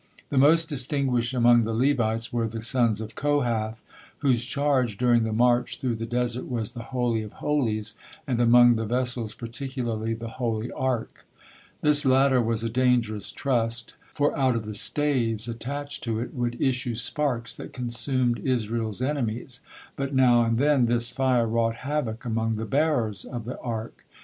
The most distinguished among the Levites were the sons of Kohath, whose charge during the march through the desert was the Holy of Holies, and among the vessels particularly the Holy Ark. This latter was a dangerous trust, for out of the staves attached to it would issue sparks that consumed Israel's enemies, but now and then this fire wrought havoc among the bearers of the Ark.